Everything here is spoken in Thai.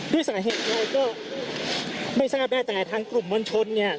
ด้วยสาเหตุอะไรก็ไม่ทราบได้แต่ทางกลุ่มมวลชนเนี่ย